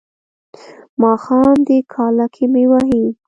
ماښام دی کاله کې مې وهي.